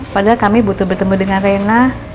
padahal kami butuh bertemu dengan reina